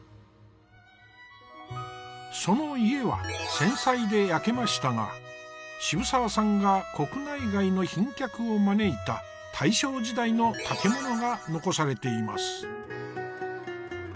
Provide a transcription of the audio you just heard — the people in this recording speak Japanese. その家は戦災で焼けましたが渋沢さんが国内外の賓客を招いた大正時代の建物が残されています。